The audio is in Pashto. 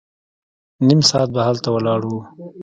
نيم ساعت به هلته ولاړ وو.